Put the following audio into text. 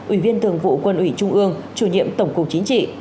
ủy viên thường vụ quân ủy trung ương chủ nhiệm tổng cục chính trị